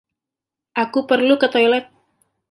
Aku perlu ke toilet.